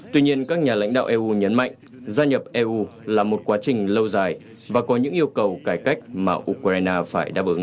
tuy nhiên các nhà lãnh đạo eu nhấn mạnh gia nhập eu là một quá trình lâu dài và có những yêu cầu cải cách mà ukraine phải đáp ứng